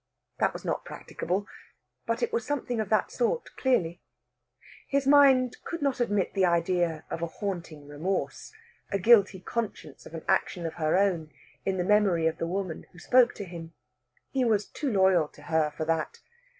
That was not practicable. But it was something of that sort, clearly. His mind could not admit the idea of a haunting remorse, a guilty conscience of an action of her own, in the memory of the woman who spoke to him. He was too loyal to her for that.